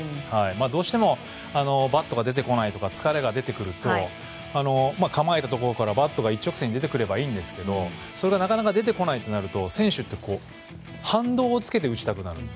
どうしてもバットが出てこないとか疲れが出てくると構えたところからバットが一直線に出てくればいいんですけどそれがなかなか出てこないとなると、選手って反動をつけて打ちたくなる。